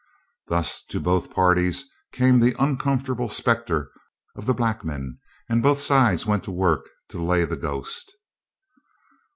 Thus to both parties came the uncomfortable spectre of the black men, and both sides went to work to lay the ghost.